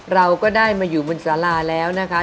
เราก็ได้มาอยู่บนสาราแล้วนะคะ